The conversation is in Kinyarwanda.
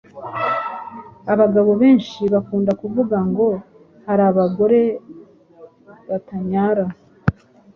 Abagabo benshi bakunda kuvuga ngo hari abagore batanyara